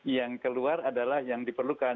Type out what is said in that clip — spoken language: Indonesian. yang keluar adalah yang diperlukan